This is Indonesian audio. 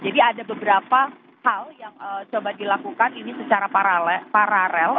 jadi ada beberapa hal yang coba dilakukan ini secara paralel